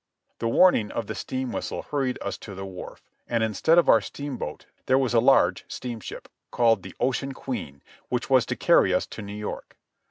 The warning of the steam Avhistle hurried us to the wharf, and instead of our steamboat, there was a large steamship, called the Ocean Queen, which was to carry us to New York.